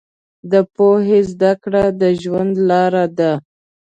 د پوهې زده کړه د ژوند لار ده.